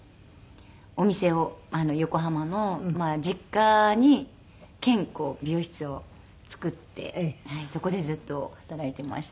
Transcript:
お店を横浜の実家兼美容室を作ってそこでずっと働いていました。